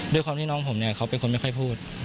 ด้วยความที่น้องผมเป็นคนไม่ค่อยพูด